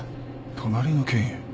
隣の県へ？